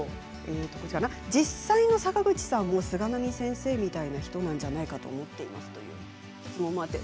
実際の坂口さんも菅波先生みたいな人なんじゃないかと思っていますということです。